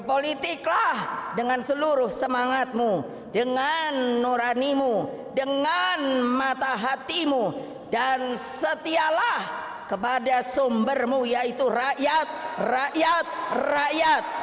oke saya mau langsung ke bang deddy